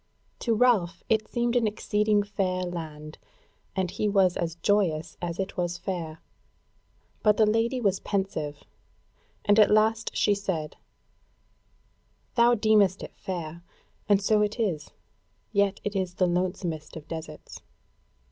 To Ralph it seemed an exceeding fair land, and he was as joyous as it was fair; but the Lady was pensive, and at last she said: "Thou deemest it fair, and so it is; yet is it the lonesomest of deserts.